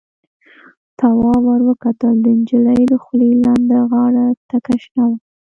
تواب ور وکتل، د نجلۍ دخولې لنده غاړه تکه شنه وه.